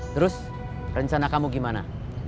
terus rencana kamu gimana